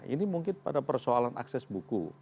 ini mungkin pada persoalan akses buku